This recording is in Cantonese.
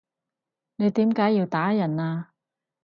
你點解要打人啊？